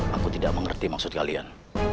aku tidak mengerti maksud kalian